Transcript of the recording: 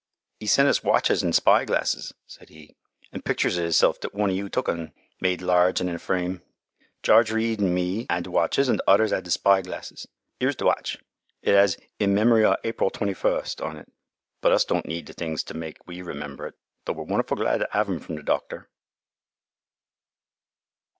"'E sent us watches an' spy glasses," said he, "an' pictures o' hisself that one o' you took o' un, made large an' in a frame. George Read an' me 'ad th' watches an' th' others 'ad th' spy glasses. 'Ere's th' watch. It 'as 'In memory o' April 21st' on it, but us don't need th' things to make we remember it, tho' we 're wonderful glad t' 'ave 'em from th' doctor."